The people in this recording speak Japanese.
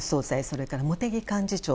それから茂木幹事長。